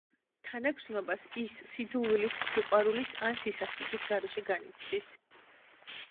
თანაგრძნობას ის სიძულვილის, სიყვარულის ან სისასტიკის გარეშე განიცდის.